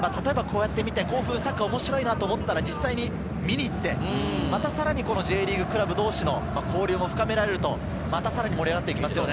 甲府のサッカーが面白いなと思ったら実際に見に行って、さらにＪリーグクラブ同士の交流も深められると、さらに盛り上がっていきますよね。